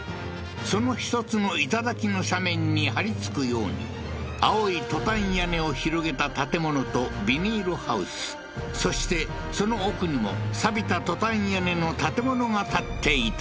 その一つの頂の斜面に張り付くように青いトタン屋根を広げた建物とビニールハウスそしてその奥にもさびたトタン屋根の建物が建っていた